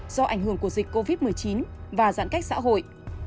do ảnh hưởng của dịch covid một mươi chín và giãn cách xã hội